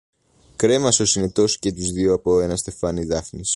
Κρέμασε ο Συνετός και στους δυο από ένα στεφάνι δάφνης.